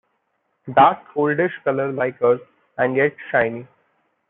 That coldish colour like earth, and yet shiny.